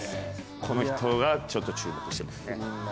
この人がちょっと注目してますね。